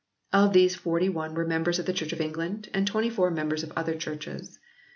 Of these forty one were members of the Church of England, and twenty four members of other churches.